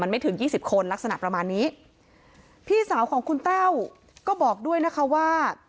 ไม่ถึงยี่สิบคนลักษณะประมาณนี้พี่สาวของคุณแต้วก็บอกด้วยนะคะว่า